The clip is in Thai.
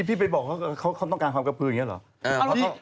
พี่ไปบอกว่าเขาอยากทำกระพืออย่างเนี้ยเหรอ